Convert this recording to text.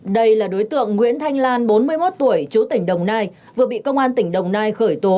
đây là đối tượng nguyễn thanh lan bốn mươi một tuổi chú tỉnh đồng nai vừa bị công an tỉnh đồng nai khởi tố